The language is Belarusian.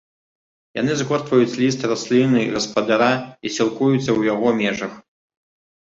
Яны згортваюць ліст расліны-гаспадара і сілкуюцца ў яго межах.